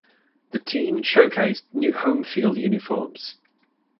The team showcased new Home field uniforms.